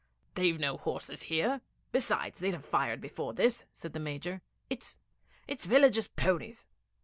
'They've no horses here. Besides they'd have fired before this,' said the Major. 'It's it's villagers' ponies.'